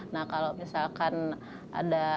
nah kalau misalkan ada